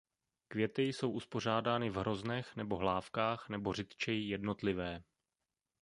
Květy jsou uspořádány v hroznech nebo hlávkách nebo řidčeji jednotlivé.